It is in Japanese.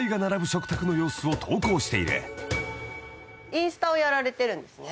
インスタをやられてるんですね。